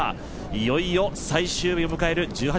いよいよ最終日を迎える１８